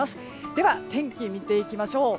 では、天気を見ていきましょう。